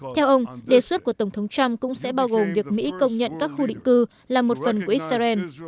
theo ông đề xuất của tổng thống trump cũng sẽ bao gồm việc mỹ công nhận các khu định cư là một phần của israel